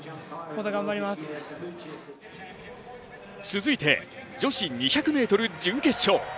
続いて女子２００ｍ準決勝。